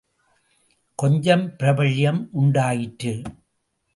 கொஞ்சம் பிரபல்யம் உண்டாயிற்று.